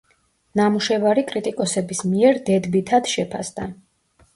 ნამუშევარი კრიტიკოსების მიერ დედბითად შეფასდა.